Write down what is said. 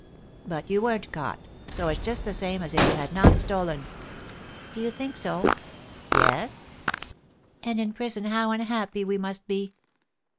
"But you weren't caught; so it's just the same as if you had not stolen." "Do you think so?" "Yes." "And in prison how unhappy we must be."